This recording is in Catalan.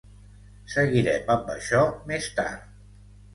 Seguirem amb això més tard.